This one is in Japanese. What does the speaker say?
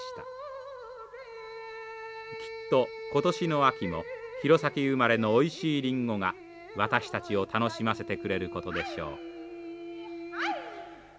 きっと今年の秋も弘前生まれのおいしいリンゴが私たちを楽しませてくれることでしょう。